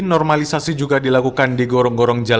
normalisasi juga dilakukan di gorong gorong jalan